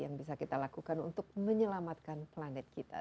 yang bisa kita lakukan untuk menyelamatkan pelajar